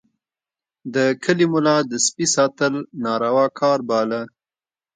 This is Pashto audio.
د کلي ملا د سپي ساتل ناروا کار باله.